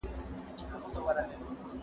خلګ به ساعت ته وګوري.